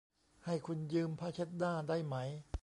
ให้คุณยืมผ้าเช็ดหน้าได้ไหม ?